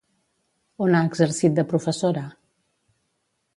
On ha exercit de professora?